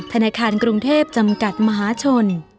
ธนาคารกรุงเทพจำกัดมหาชน